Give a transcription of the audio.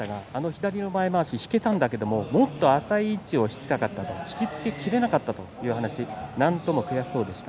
左の前まわしを引けたんだけどもっと浅い位置を引きたかった引き付けきれなかったということを話しています。